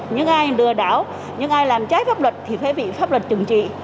những ai lừa đảo những ai làm trái pháp luật thì phải bị pháp luật trừng trị